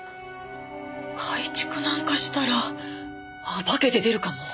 改築なんかしたら化けて出るかも。